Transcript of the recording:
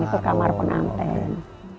itu kamar pengantin